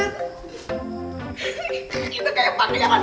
itu kayak pangeran